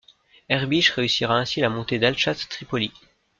Erbich réussira ainsi la montée d'Al Shat Tripoli.